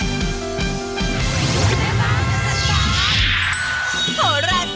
เฮ่ยแบบนี้ก็ไม่ใช่